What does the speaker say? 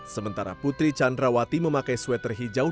sementara putri candrawati memakai sweater hijau